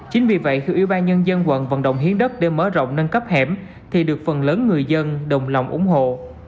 chính vì vậy khi ủy ban nhân dân quận vận động hiến đất để mở rộng nâng cấp hẻm thì được phần lớn người dân đồng lòng ủng hộ